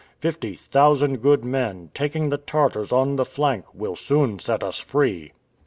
Fifty thousand good men, taking the Tartars on the flank, will soon set us free."